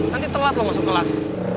nanti telat lo langsung kelas